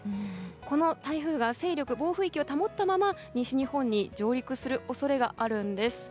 この台風が勢力、暴風域を保ったまま西日本に上陸する恐れがあるんです。